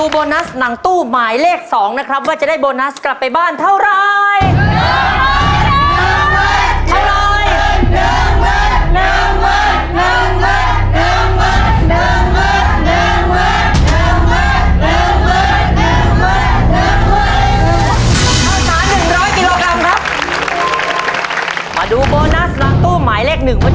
โบนัสหลักตู้หมายเลข๓นะครับนั่นก็คือ